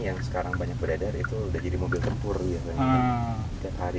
yang sekarang banyak berada di sana itu udah jadi mobil tempur